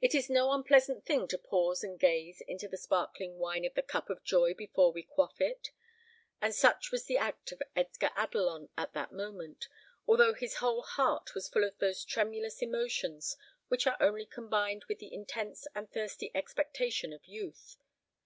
It is no unpleasant thing to pause and gaze into the sparkling wine of the cup of joy before we quaff it: and such was the act of Edgar Adelon at that moment, although his whole heart was full of those tremulous emotions which are only combined with the intense and thirsty expectation of youth.